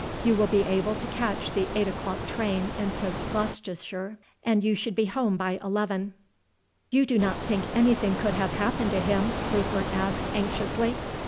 You will be able to catch the eight o'clock train into Gloucester, and you should be home by eleven." "You do not think anything could have happened to him?" Rupert asked anxiously.